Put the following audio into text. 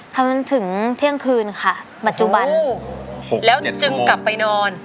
เท่านั้นถึงเที่ยงคืนค่ะปัจจุบันแล้วจึงกลับไปนอน